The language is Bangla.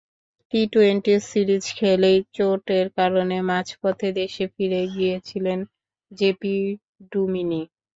টি-টোয়েন্টি সিরিজ খেলেই চোটের কারণে মাঝপথে দেশে ফিরে গিয়েছিলেন জেপি ডুমিনি।